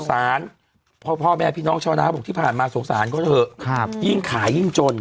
พ่อพ่อแม่พี่น้องชาวนาบอกที่ผ่านมาสงสารเขาเถอะยิ่งขายยิ่งจน